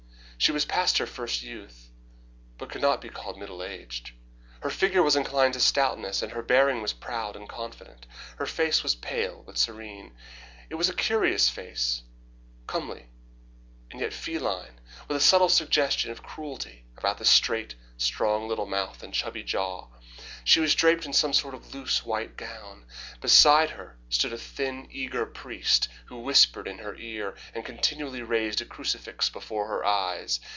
She was past her first youth, but could not yet be called middle aged. Her figure was inclined to stoutness and her bearing was proud and confident. Her face was pale, but serene. It was a curious face, comely and yet feline, with a subtle suggestion of cruelty about the straight, strong little mouth and chubby jaw. She was draped in some sort of loose, white gown. Beside her stood a thin, eager priest, who whispered in her ear, and continually raised a crucifix before her eyes.